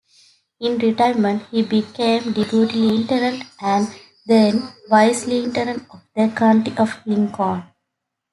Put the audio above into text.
In retirement he became Deputy Lieutenant and then Vice-Lieutenant of the County of Lincoln.